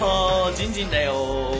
じんじんだよ！